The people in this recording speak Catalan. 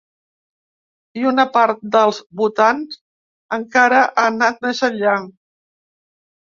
I una part del votants encara ha anat més enllà.